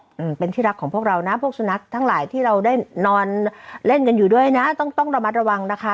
อืมเป็นที่รักของพวกเรานะพวกสุนัขทั้งหลายที่เราได้นอนเล่นกันอยู่ด้วยนะต้องต้องระมัดระวังนะคะ